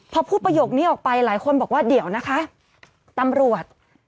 พอพูดประโยคนี้ออกไปหลายคนบอกว่าเดี๋ยวนะคะตำรวจ